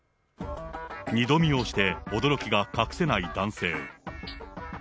二度見をして驚きが隠せない男性。